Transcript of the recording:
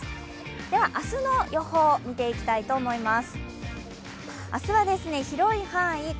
では、明日の予報を見ていきたいと思います。